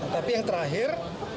tapi yang terakhir